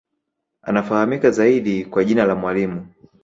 Anafahamika zaidi kwa jina la Mwalimu